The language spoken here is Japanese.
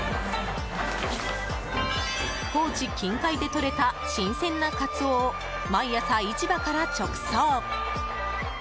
高知近海でとれた新鮮なカツオを毎朝市場から直送。